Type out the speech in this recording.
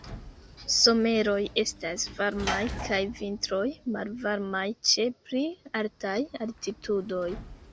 Someroj estas varmaj kaj vintroj malvarmaj ĉe pli altaj altitudoj.